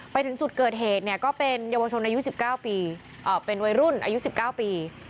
ไปถึงจุดเกิดเหตุเนี่ยก็เป็นเยาวชนอายุ๑๙ปีเป็นวัยรุ่นอายุ๑๙ปี